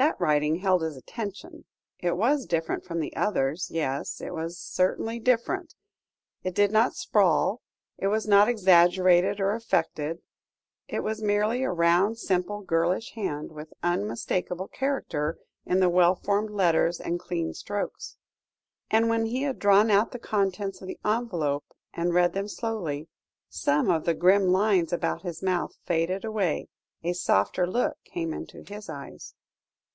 That writing held his attention; it was different from the others; yes, it was certainly different. It did not sprawl; it was not exaggerated or affected; it was merely a round, simple, girlish hand, with unmistakable character in the well formed letters and clean strokes. And when he had drawn out the contents of the envelope, and read them slowly, some of the grim lines about his mouth faded away, a softer look came into his eyes.